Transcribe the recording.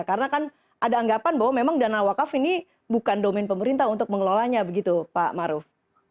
karena kan ada anggapan bahwa memang dana wakaf ini bukan domen pemerintah untuk mengelolanya begitu pak maruf